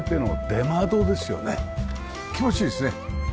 気持ちいいですね。